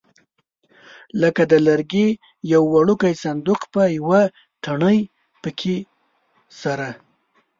لکه د لرګي یو وړوکی صندوق په یوه تڼۍ پکې سره.